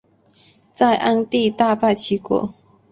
在鞍地大败齐军。